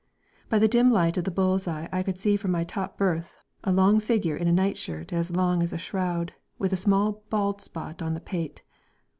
By the dim light of the bull's eye I could see from my top berth a tall figure in a nightshirt as long as a shroud, with a small bald spot on the pate.